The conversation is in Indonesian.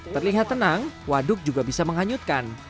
terlihat tenang waduk juga bisa menghanyutkan